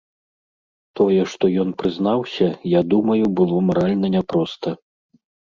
Тое, што ён прызнаўся, я думаю, было маральна няпроста.